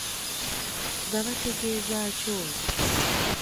Nga bategeeza ki olwo?